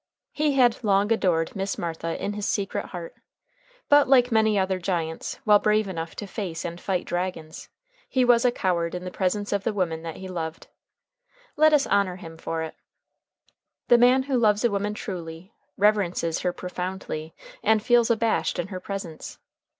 He had long adored Miss Martha in his secret heart, but, like many other giants, while brave enough to face and fight dragons, he was a coward in the presence of the woman that he loved. Let us honor him for it. The man who loves a woman truly, reverences her profoundly and feels abashed in her presence.